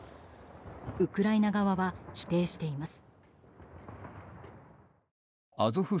ウクライナ側は否定しています。